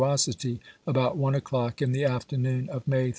osity, about one o'clock in the afternoon of May 31.